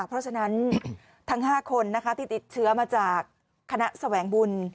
เพราะฉะนั้นทั้ง๕คนที่ติดเชื้อมาจากคณะแสวงบุญ